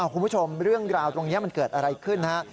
คุณผู้ชมเรื่องราวตรงนี้มันเกิดอะไรขึ้นฮะ